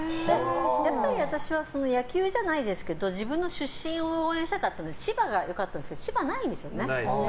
やっぱり私は野球じゃないですけど自分の出身を応援したかったので千葉が良かったんですけど千葉ないんですよね。